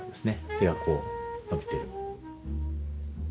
手がこう伸びてる。